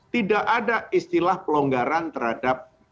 tidak ada istilah pelonggaran terhadap